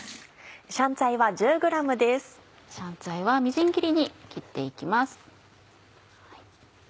香菜はみじん切りに切って行きます。